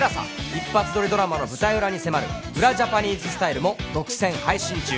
一発撮りドラマの舞台裏に迫る『ウラジャパニーズスタイル』も独占配信中。